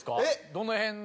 どの辺が。